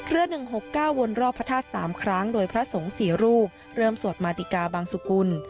๑๖๙วนรอบพระธาตุ๓ครั้งโดยพระสงฆ์๔รูปเริ่มสวดมาติกาบางสุกุล